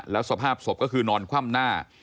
แล้วสภาพศพก็คือนอนคว่ำหน้า